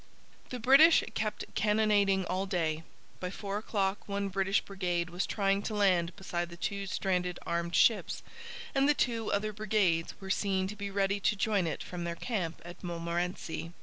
The British kept cannonading all day. By four o'clock one British brigade was trying to land beside the two stranded armed ships, and the two other brigades were seen to be ready to join it from their camp at Montmorency.